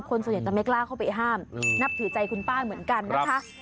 คนส่วนใหญ่จะไม่กล้าเข้าไปห้ามนับถือใจคุณป้าเหมือนกันนะคะ